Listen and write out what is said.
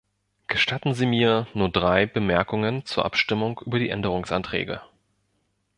Gestatten Sie mir nur drei Bemerkungen zur Abstimmung über die Änderungsanträge.